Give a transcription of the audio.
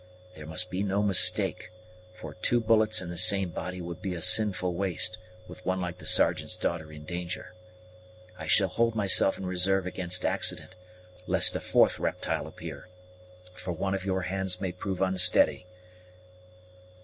There must be no mistake, for two bullets in the same body would be sinful waste, with one like the Sergeant's daughter in danger. I shall hold myself in resarve against accident, lest a fourth reptile appear, for one of your hands may prove unsteady.